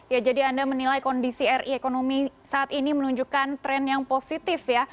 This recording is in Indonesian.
ya jadi anda menilai kondisi ri ekonomi saat ini menunjukkan tren yang positif ya